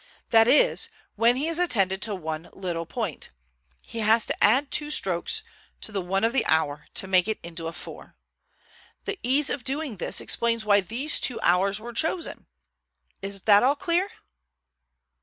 That is, when he has attended to one little point. He has to add two strokes to the 1 of the hour to make it into a 4. The ease of doing this explains why these two hours were chosen. Is that all clear?"